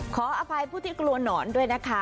ขออภัยผู้ที่กลัวหนอนด้วยนะคะ